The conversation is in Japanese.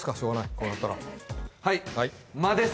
こうなったらはい間です！